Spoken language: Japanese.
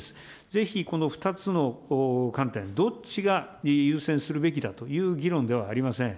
ぜひこの２つの観点、どっちが優先するべきだという議論ではありません。